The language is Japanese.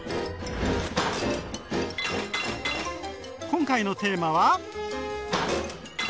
今回のテーマは。